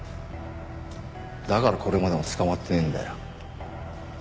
だからこれまでも捕まってねえんだよ。